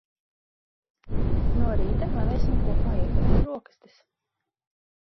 No rīta varēsim kopā ieturēt broksastis.